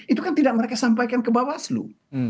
itu kan tidak mereka sampaikan ke bawaslu